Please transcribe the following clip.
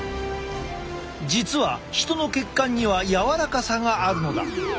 実は人の血管には柔らかさがあるのだ。